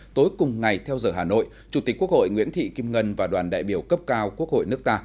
tối cùng ngày theo giờ hà nội chủ tịch quốc hội nguyễn thị kim ngân và đoàn đại biểu cấp cao quốc hội nước ta